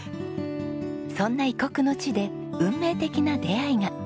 そんな異国の地で運命的な出会いが。